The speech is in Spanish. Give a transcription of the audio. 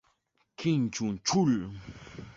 Kim Jong-chul